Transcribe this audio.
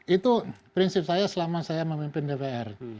itu prinsip saya selama saya memimpin dpr